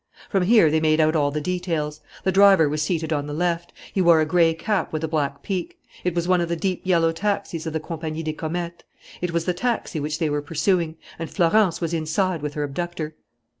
From here they made out all the details. The driver was seated on the left. He wore a gray cap with a black peak. It was one of the deep yellow taxis of the Compagnie des Comètes. It was the taxi which they were pursuing. And Florence was inside with her abductor.